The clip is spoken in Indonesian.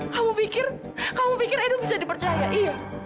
kamu pikir kamu pikir edo bisa dipercaya iya